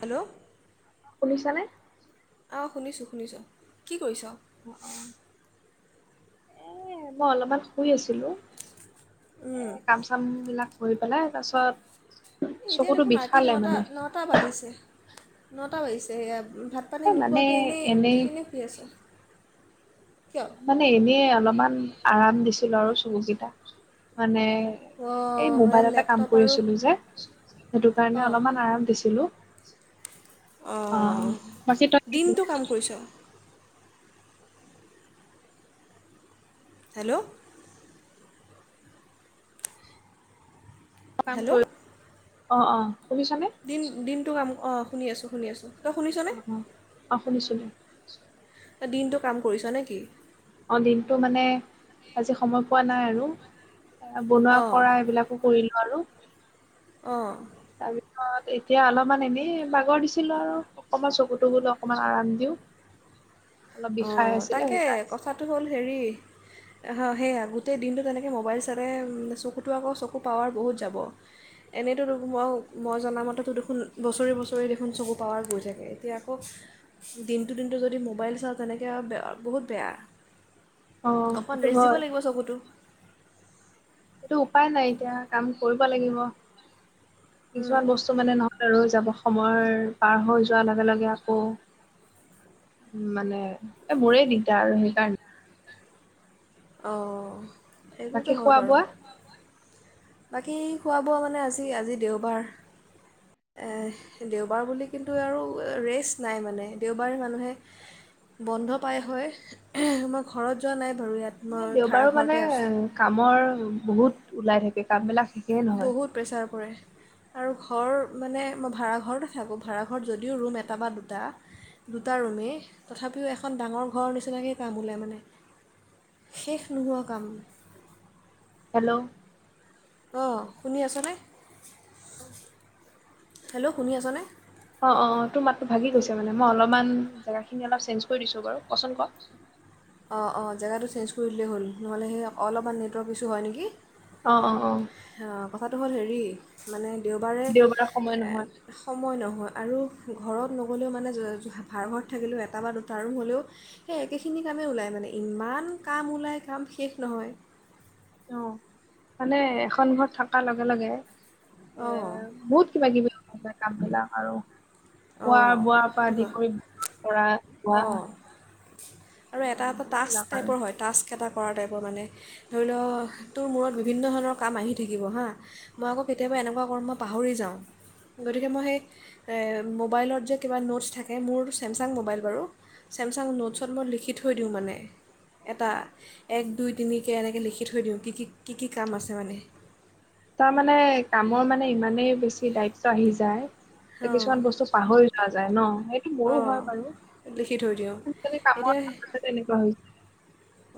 Hello. শুনিছানে? অ' শুনিছোঁ শুনিছোঁ। কি কৰিছ? এ, মই অলপমান শুই আছিলোঁ। উম, কাম চামবিলাক কৰি পেলাই তাৰছত চকুটো বিষালে মানে। টা বাজিছে, নটা বাজিছে হেয়া ভাত পানী এ মানে নোখোৱাকে এনেই নে শুই আছোঁ। কিয়? মানে এনেই অলপমান আৰাম দিছিলোঁ আৰু চকুকেইটা, মানে অঁ এই মানে মোবাইলতে কাম লেপটপ আৰু কৰিছিলোঁ যে সেইটো কাৰণে অঁ অলপমান আৰাম দিছিলোঁ। অ', বাকী তই কি দিনটো কাম কৰিছ? হেল্ল'। কাম হেল্ল' কৰি, অ', অ' শুনিছানে? দিন দিনটো কাম, অ' শুনি আছোঁ, শুনি আছোঁ। তই শুনিছনে? অ', অ', অ' শুনিছোঁ। তই দিনটো কাম কৰিছ নে কি? অ' দিনটো মানে আজি সময় পোৱা নাই আৰু এ, বনোৱা অঁ কৰা এইবিলাক কৰিলোঁ আৰু। অ'। তাৰপিছত এতিয়া অলপমান এনেই বাগৰ দিছিলোঁ আৰু। অকমান চকুটো বোলো অকমান আৰাম দিওঁ। অলপ বিষাই অ', আছিলে তাকে সেইকাৰণে কথাটো হ'ল হেৰি সেয়া গোটেই দিনটো তেনেকে মোবাইল চালে চকুটো আকৌ চকু পাৱাৰ বহুত যাব। এনেইতো তোক মই, মই জনামতেতো দেখোন বছৰি বছৰি দেখোন চবু পাৱাৰ গৈ থাকে এতিয়া আকৌ দিনটো দিনটো যদি মোবাইল চাওঁ তেনেকে আৰু বে বহুত বেয়া, অ অকমান সেইটো ৰেষ্ট দিব হয় লাগিব চকুটো। এইটো উপায় নাই এতিয়া কাম কৰিব লাগিব, উম, কিছুমান বস্তু তো মানে নৰয় ৰৈ যাব, সময় পাৰ হৈ যোৱাৰ লগে লগে আকৌ উম, মানে এ, মোৰে দিগদাৰ আৰু সেইকাৰণে। অ' সেইটোতো বাকী হয় খোৱা বাৰু। বোৱা বাকী খোৱা বোৱা মানে আজি, আজি দেওবাৰ। এহ, দেওবাৰ বুলি কিন্তু আৰু ৰেচ নাই মানে দেওবাৰে মানুহে বন্ধ পাই হয়। মই ঘৰত যোৱা নাই বাৰু ইয়াত মই মানে দেওবাৰো মানে ভাড়াঘৰতে আছোঁ কামৰ বহুত ওলাই থাকে, কামবিলাক শেষ বহুত প্ৰেছাৰ পৰে। আৰু ঘৰ মানে মই ভাড়াঘৰতে থাকোঁ, ভাড়া ঘৰত যদিও ৰুম এটা বা দুটা দুটা ৰুমেই তথাপিও এখন ডাঙৰ ঘৰৰ নিচিনাকে কাম ওলাই মানে। শেষ নোহোৱা কাম। হেল্ল'। অ', শুনি আছনে? [inaudible] হেল্ল' শুনি আছনে? অ', অ', অ' তোৰ মাতটো ভাগি গৈছে মানে, মই অলপমান জেগাখিনি অলপ চেঞ্জ কৰি দিছোঁ বাৰু কচোন ক। অ', অ' জেগাটো চেঞ্জ কৰি দিলেই হ'ল নহ'লে সেই অলপমান নেটৱৰ্ক ইছ্যু হয় নেকি। অ', অ', অ'। আ, কথাটো হ'ল হেৰি মানে দেওবাৰে সময় নহয় সময় নহয় আৰু ঘৰত নগ'লেও মানে ভাৰা ঘৰত থাকিলেও এটা বা দুটা ৰুম হ'লেও সেই একেখিনি কামেই ওলায় মানে ইমান কাম ওলাই কাম শেষ নহয়। অ, মানে এখন ঘৰত থকাৰ লগে-লগে এ, অঁ বহুত কিবা-কিবি হৈ যায় কাম বিলাক আৰু। অঁ খোৱা-বোৱাৰ পৰা সেইটো আদি হয় কৰি ধৰা ধুৱা। অঁ আৰু এটা, এটা টাস্ক টাইপৰ হয়। টাস্ক এটা কৰা টাইপৰ মানে ধৰি ল তোৰ মূৰত বিভিন্ন ধৰণৰ কাম আহি থাকিব হা। মই আকৌ কেতিয়াবা এনেকুৱা কৰো মই পাহৰি যাওঁ গতিকে মই সেই মোবাইলত যে কিবা নোটছ থাকে মোৰ চেমচাং মোবাইল বাৰু। চেমচাং নোটছত মই লিখি থৈ দিও মানে। এটা এক, দুই, তিনিকে এনেকে লিখি থৈ দিওঁ কি-কি- কি-কি কাম আছে মানে? তাৰমানানে কামৰ মানে ইমানেই বেছি দায়িত্ব আহি যায়। অঁ কিছুমান বস্তু পাহৰি যোৱা যায় ন, সেইটো মোৰো হয় বাৰু। সেইটো, সেইটো, আজিকালি কামৰ এতিয়া ক্ষেত্ৰত তেনেকুৱা হৈছে।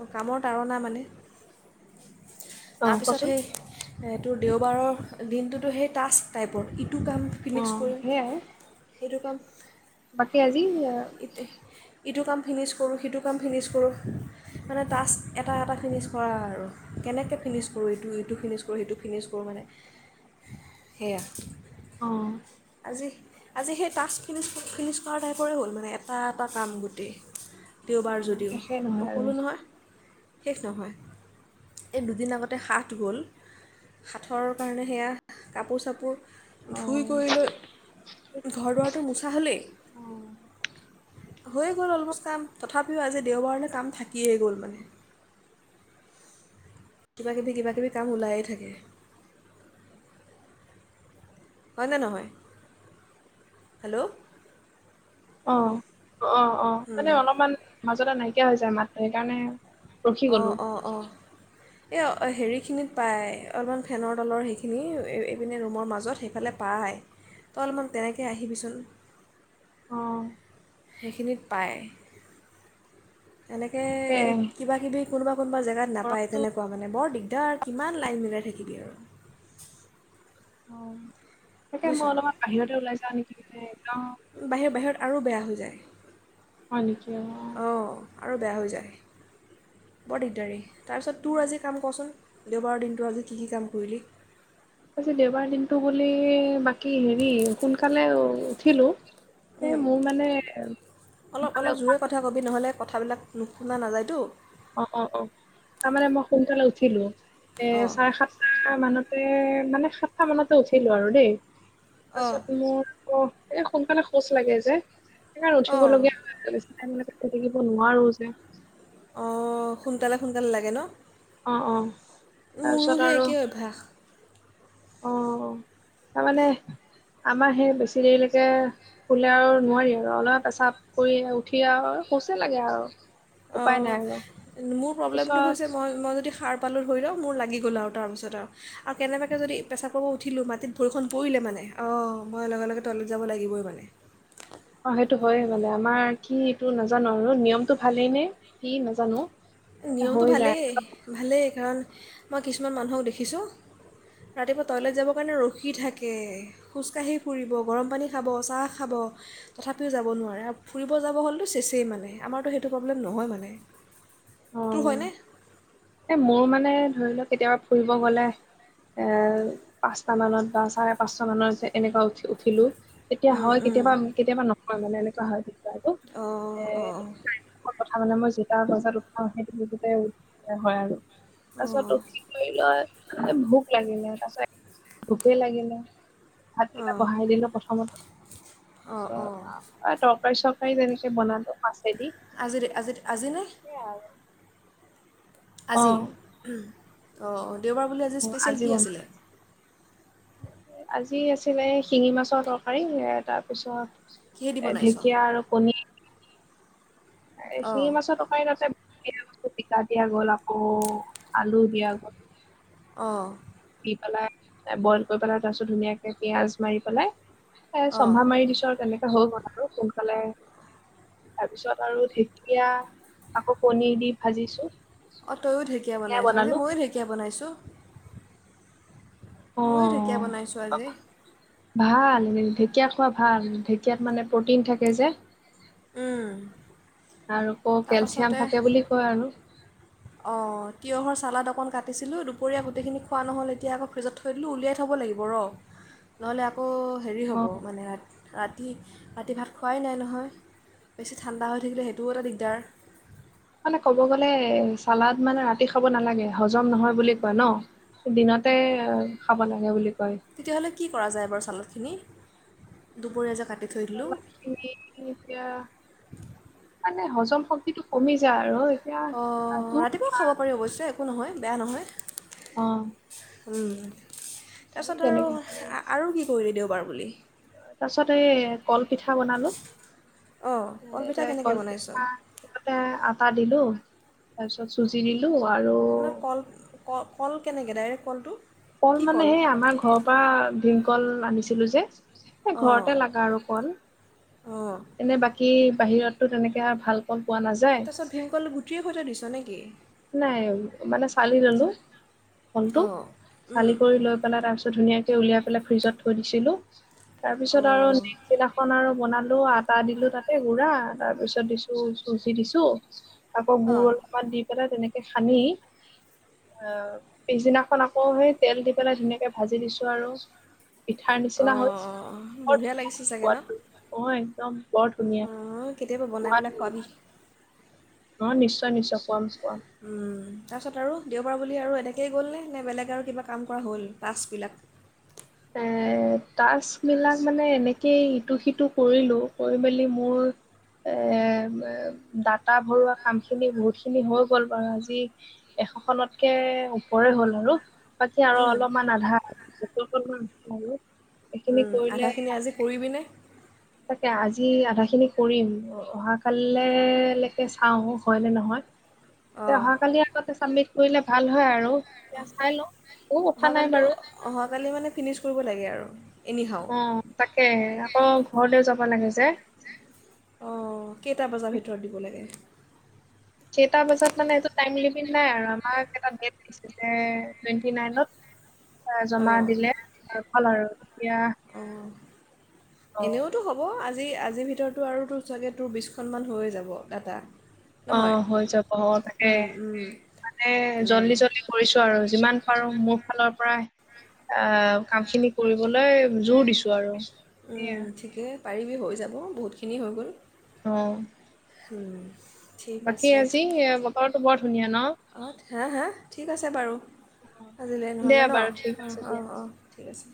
অ' কামৰ তাৰণা মানে, অ তাৰপিছত কচোন সেই এইটো দেওবাৰৰ দিনটোতো, সেই টাস্ক টাইপৰ ইটো কাম অ ফিনিছ কৰিম, সেইয়াই সেইটো কাম। বাকী আজি এ ইটো কাম ফিনিছ কৰো, সিটো কাম ফিনিছ কৰো। মানে টাস্ক এটা এটা ফিনিছ কৰা আৰু কেনেকৈ ফিনিছ কৰো, ইটো ইটো ফিনিছ কৰো, সিটো ফিনিছ ক ৰো মানে সেয়া। অ', আজি, আজি সেই টাস্ক ফিনিছ ফিনিছ কৰা টাইপৰে হ'ল মানে এটা, এটা কাম গোটেই। দেওবাৰ মানে যদিও শেষে নহয় আৰু নুশুলো নহয়। শেষ নহয়, এই দুদিন আগতে সাত হ'ল। সাত কাৰণে সেয়া কাপোৰ চাপোৰ অ ধুই কৰি লৈ ঘৰ দুৱাৰটো মোচা হ'লেই। অ হৈয়ে গ'ল অলম'ষ্ট কাম, তথাপিও আজি দেওবাৰলৈ কাম থাকিয়েই গ'ল মানে। কিবা কিবি, কিবা কিবি কাম ওলায়ে থাকে। হয়নে নহয় হেল্ল' অ'অ'অ' মানে অলপমান মাজতে নাইকিয়া হৈ যায় মাত সেইকাৰণে ৰখি গলো অ'অ'অ' এই অ'হেৰিখিনিত পায়, অলপমান ফেনৰ তলৰ সেইখিনি এইপিনে ৰুমৰ মাজত সেইফালে পায়। তই অলপমান তেনেকৈ আহিবিচোন। অ', সেইখিনিত পায়। এনেকে তাকে কিবা কিবি কোনোবা,, কোনোবা জেগাত নাপায়, গৰমটো তেনেকে কোৱা মানে বৰ দিগদাৰ, কিমান লাইন মিলাই থাকিবি আৰু। অ' তাকে বুজিছ মই অলপমান বাহিৰতে ওলাই যাও নেকি, মানে একদম বাহিৰৰ, বাহিৰত আৰু বেয়া হৈ যায়। হয় নেকি অ' অ' আৰু বেয়া হৈ যায় বৰ দিগদাৰী, তাৰপিছত তোৰ আজি কাম ক'চোন? দেওবাৰৰ দিনটো আজি কি, কি কাম কৰিলি? আজি দেওবাৰ দিনতটো বুলি বাকী হেৰি সোনকালে উঠিলো। এ মোৰ মানে অলপ ভালে অলপ উঠা। জোৰে কথা কবি, নহ'লে কথাবিলাক নুশুনা নাযায়টো। অঁ, অঁ, অঁ, তাৰমানে মই সোনকালে উঠিলো, এ অঁ চাৰে সাত সাতটা মানতে মানে সাতটা মানতে উঠিলো, আৰু দেই অঁ তাৰপাছত মোৰ অঁ, এয়া সোনকালে শৌচ লাগে যে, সেইকাৰণেই অঁ উঠিবলগীয়া হয় আৰু আমি এই শুই থাকিব নোৱাৰো যে। অঁ সোনকালে, সোনকালে লাগে ন? অঁ, অঁ মোৰো তাৰপাছত সেই আৰু একেই অভ্যাস। অঁ, অঁ তাৰমানে আমাৰ সেই বেছি দেৰিলৈকে শুলে আৰু নোৱাৰিম আৰু অলপ, পাচাপ কৰি উঠি আৰু শৌচে লাগে আৰু। উপায় অঁ, নাই আৰু মোৰ প্ৰব্লেমটো পিছত হৈছে মই মই যদি সাৰ পালোঁ ধৰি লওঁক, মোৰ লাগি গ'ল আৰু তাৰপিছত আৰু আৰু কেনেবাকৈ যদি পেছাপ কৰিব উঠিলোঁ মাটিত ভৰিখন পৰিলে মানে অ' মই লগে লগে তলত যাব লাগিবই মানে। অ' সেইটো হয়ে মানে আমাৰ কি এইটো নাজানো আৰু নিয়মতটো ভালেই নে কি নাজানো। এটা নিয়মটো হৈ যায় ভালেই ভালেই কাৰণ মই কিছুমান মানুহক দেখিছোঁ। ৰাতিপুৱা টয়লেট যাবৰ কাৰণে ৰখি থাকে। খোজকাঢ়ি ফুৰিব গৰম পানী খাব চাহ খাব। তথাপিও যাব নোৱাৰে আৰু ফুৰিব যাব গলেটো চেচেই মানে আমাৰতো সেইটো প্ৰব্লেম নহয় মানে। তোৰ অ হয়নে? এ মোৰ মানে ধৰি লও কেতিয়াবা ফুৰিব গ'লে। এ পাঁচটা মানত বা চাৰে পাঁচটা মানত এনেকুৱা উঠি উঠিলো। তেতিয়া উম, হয় উম। কেতিয়াবা কেতিয়াবা নহয় মানে এনেকুৱা হয়। অ' অ'। ক'ত কথা মানে মই জোতাৰ বজাত উঠাওঁ সেইটো নিজতে হয় আৰু। তাৰপিছত অঁ তোৰ কি কৰি লৈ ভোক লাগিলে তাৰ পিছত ভোকে লাগিলে। ভাতকেইটা অঁ বহাই দিলো প্ৰথমতে অঁ অঁ তাৰপিছত আহ, অ' তৰকাৰী চৰকাৰী তেনেকে বনালো মাছেদি। আজি নে আজি আজি নে? হয়। আজি অ' দেওবাৰ বুলি আজি স্পেচিয়েল কি আছিলে? আজি আছিলে শিঙি মাছৰ তৰকাৰী এয়া তাৰপিছত কিহেদি এ বনাইছ ঢেকীয়া আৰু কণী। এ শিঙি অঁ মাছৰ তকাৰি তাতে দিয়া পিটিকা দিয়া গ'ল আকৌ আলু দিয়া গ'ল। অ' দি পেলাই বইল কৰি পেলাই তাৰ পিছত ধুনীয়াকে পিয়াঁজ মাৰি পেলাই, এ অঁ চম্ভা মাৰি দিছো আৰু তেনেকে হৈ গ'ল। আৰু সোনকালে তাৰপিছত আৰু ঢেকীয়া। আকৌ কনী দি ভাজিছো হেয়া বনালো। ঢেকিয়া বনাইছো। অ মইয়ো ঢেঁকীয়া বনাইছোঁ আজি। ভাল এনে ঢেকীয়া খোৱা ভাল ঢেকীয়াত মানে প্ৰটিন থাকে যে। উম। আৰু আকৌ কেলচিয়াম তাৰপাছতে থাকে বুলি কয় আৰু। অ' তিঁয়হৰ চালাদ অকণ কাটিছিলোঁ দুপৰীয়া গোটেইখিনি খোৱা নহ'ল এতিয়া আকৌ ফ্ৰিজত থৈ দিলোঁ উলিয়াই থ'ব লাগিব ৰ' [inaudible] নহ'লে আকৌ হেৰি অ হ'ব মানে ৰাতি ৰাতি ভাত খোৱাই নাই নহয় বেছি ঠাণ্ডা হৈ থাকিলে সেইটোও এটা দিগদাৰ। মানে ক'ব গ'লে চালাদ মানে ৰাতি খাব নালাগে হজম নহয় বুলি কয় ন' দিনতে খাব লাগে বুলি কয়। তেতিয়াহ'লে কি কৰা যায় বাৰু ছালাডখিনি দুপৰীয়া যে কাটি থৈ দিলোঁ। এই এতিয়া মানে হজম শক্তিটো কমি যায় আৰু এতিয়া অ' তোৰ ৰাতিপুৱাও খাব পাৰি অৱশ্যে একো নহয় বেয়া নহয়। অ' উম, পাৰি তাৰপিছত আৰু তেনেকে খাবলে। আৰু কি কৰিলে দেওঁবাৰ বুলি তাৰ পিছত এই কলপিঠা বনালো অঁ কলপিঠা কেনেকৈ বনাইছ কলপিঠা তাতে আটা দিলো তাৰপিছত চুজি দিলো। দিলো আৰু আপোনাৰ কল কল কেনেকে ডাইৰেক্ট কলটো ক'ল মানে সেই আমাৰ ঘৰৰ পৰা ভীমকল আনিছিলো যে এই অঁ ঘৰতে লগা আৰু ক'ল অঁ এনে বাকী বাহিৰতো তেনেকে ভাল কল পোৱা নাযায় তাৰপিছত ভিমকলটো গুটিৰ সৈতে দিছ নেকি নাই মানে চালি ললো কলটো অঁ চালি কৰি লৈ পেলাই তাৰপিছত ধুনীয়াকে উলিয়াই পেলাই ফ্ৰিজত থৈ দিছিলো তাৰপিছত আৰু অঁ নেক্স দিনাখন আৰু বনালো আ টা দিলো তাতে গুড়া তাৰ পিছত দিছো চুজি দিছো আকৌ গুড় অঁ অলপমান দি পেলাই তেনেকে সানি আ পিছদিনাখন আকৌ সেই তেল দি পেলাই ধুনীয়াকে ভাজি দিছো আৰু পিঠাৰ নিচিনা হ'ল অঁ বৰ বঢ়িয়া ধুনীয়া লাগিছে চাগে ন সুৱাদটো অ একদম বৰ ধুনীয়া অঁ কেতিয়াবা বনাই পুৰা পেলাই ধুনীয়া খোৱাবি অ নিশ্চয় নিশ্চয় খোৱাম খোৱাম উম তাৰপিছত আৰু দেওবাৰ বুলি আৰু এনেকৈয়ে গ'লনে নে বেলেগ আৰু কিবা কাম কৰা হ'ল টাস্কবিলাক এ টাস্কবিলাক মানে এনে এনেকেই ইটো সিটো কৰিলো কৰি মেলি মোৰ এ ডাটা ভৰোৱা কাম খিনি বহুত খিনি হৈ গ'ল বাৰু আজি এশ খনতকে ওপৰে হ'ল আৰু বাকী আৰু উম, অলপমান আধা অকনমান আছে আৰু এইখিনি উম কৰিলে আধাখিনি আজি কৰিবিনে [unintelligible] তাকে আজি আধা খিনি কৰিম অহাকালি লেকে চাওঁ হয় নে নহয় [unintelligible] এতিয়া অঁ অহাকালি আগতে চাবমিট কৰিলে ভাল হয় আৰু এতিয়া চাই লওঁ একো কথা নাই অহাকালিতো বাৰু অহাকালি মানে ফিনিক্স কৰিব লাগে আৰু এনি হাও অ তাকেহে আকৌ ঘৰলৈও যাব লাগে যে অ কেইটা বজাৰ ভিতৰত দিব লাগে কেইটা বজাত মানে এইটো টাইম লিমিট নাই আৰু আমাক এটা ডেট দিছে তাকে টুৱেণ্টি নাইনত এ জমা অঁ দিলে ভাল আৰু এতিয়া অঁ এনেওতো হ'ব আজি আজিৰ ভিতৰতো আৰু তোৰ চাগে তোৰ বিছখনমান হৈয়ে যাব ডাটা অ নহয় হৈ যাব অ তাকে মানে জল্দি জল্দি কৰিছো আৰু যিমান কাৰণ মোৰ ফালৰ পৰাই আ কাম খিনি কৰিবলৈ জোৰ দিছো আৰু সেইয়া ঠিকেই পাৰিবি হৈ যাব বহুতখিনি হৈ গ'ল অ উম ঠিক বাকী আজি বতৰটো বৰ ধুনীয়া ন অ হা হা ঠিক আছে বাৰু অ', আজিলৈ নহ'লে দিয়া ন বাৰু ঠিক অ আছে অ দিয়া। অ ঠিক আছে